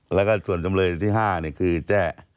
แล้วก็ส่วนจำเลยที่๕คือแจ้